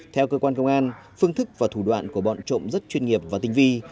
theo cơ quan công an phương thức và thủ đoạn của bọn trộm rất chuyên nghiệp và tinh vi